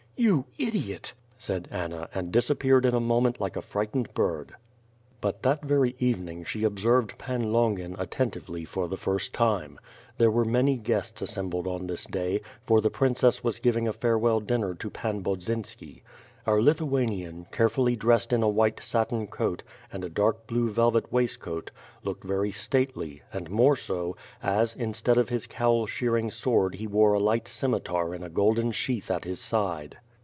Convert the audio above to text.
"You idiot!" said Anna, and disappeared in a moment like a frightened bird. But that very evening she observed Pan Longin attentively for the first time. There were many guests assembled on this day, for the princess was giving a farewell dinner to Pan Bodzynski. Our Lithuanian, carefully dressed in a white satin coat, and a dark blue velvet waistcoat looked very state ly, and more so, as, instead of his cowl shearing sword he wore a light scimitar in a golden sheath at his side.